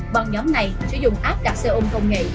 băng nhóm này sử dụng áp đặt xe ôm công nghệ